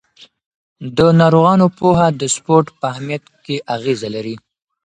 د ناروغانو پوهه د سپورت په اهمیت کې اغېزه لري.